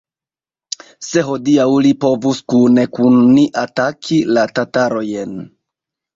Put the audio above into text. se hodiaŭ li povus kune kun ni ataki la tatarojn!